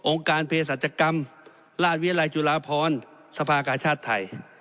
องค์การเพศจัตริยกรรมราชวิทยาลัยจุลาพรสภาคชาติไทย